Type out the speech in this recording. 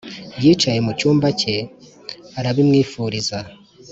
yicaye mucyumba cye arabimwifuriza